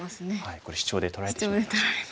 これシチョウで取られてしまいました。